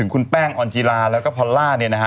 งานออนจีลาแล้วก็พอลร่า